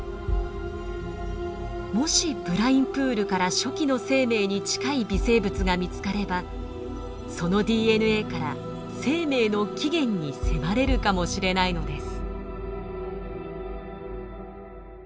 もしブラインプールから初期の生命に近い微生物が見つかればそのＤＮＡから生命の起源に迫れるかもしれないのです。